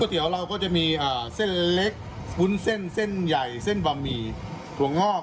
เตี๋ยเราก็จะมีเส้นเล็กวุ้นเส้นเส้นใหญ่เส้นบะหมี่ถั่วงอก